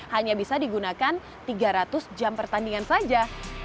hanya bisa digunakan tiga ratus jam pertandingan saja